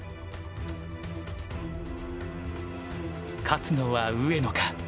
勝つのは上野か